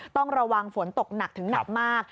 ต้องระวังฝนตกหนักถึงหนักมาก